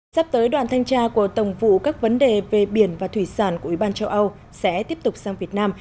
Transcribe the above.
sắp tới đoàn thanh tra của tổng vụ các vấn đề về biển và thủy sản của ủy ban châu âu sẽ tiếp tục sang việt nam